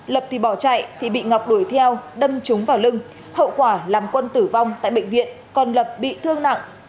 lập thì bỏ chạy thì bị ngọc đuổi theo đâm trúng vào lưng hậu quả làm quân tử vong tại bệnh viện còn lập bị thương nặng